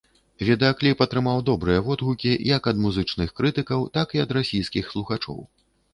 Відэакліп атрымаў добрыя водгукі як ад музычных крытыкаў, так і ад расійскіх слухачоў.